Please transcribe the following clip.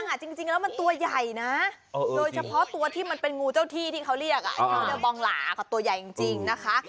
จริงแล้วมันตัวใหญ่นะโดยเฉพาะตัวที่มันเป็นงูเจ้าที่ที่เขาเรียกเจ้าบองหลากับตัวใหญ่จริงนะคะ